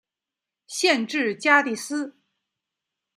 县治加的斯。